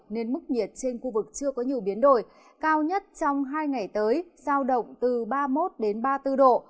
nên mức nhiệt trên khu vực chưa có nhiều biến đổi cao nhất trong hai ngày tới sao động từ ba mươi một ba mươi bốn độ